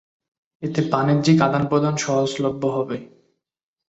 এতে বাণিজ্যিক আদান-প্রদান সহজলভ্য হবে।